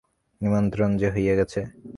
নিমন্ত্রণ যে হইয়া গেছে।